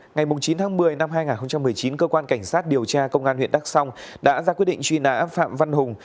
ngày chín tháng một mươi năm hai nghìn một mươi chín cơ quan cảnh sát điều tra công an huyện đắk song đã ra quyết định truy nã phạm văn hùng